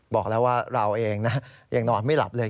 บอกแล้วว่าเราเองนะยังนอนไม่หลับเลย